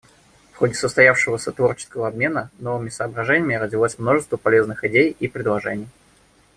В ходе состоявшегося творческого обмена новыми соображениями родилось множество полезных идей и предложений.